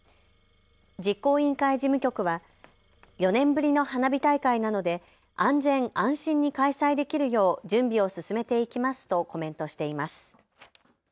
実行委員会事務局は４年ぶりの花火大会なので安全、安心に開催できるよう準備を進めていきますとコメントしています。